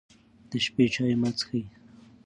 د شپې چای مه څښئ.